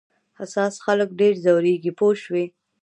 حساس خلک ډېر ځورېږي پوه شوې!.